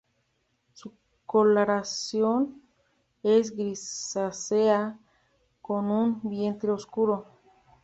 Su coloración es grisácea, con un vientre oscuro.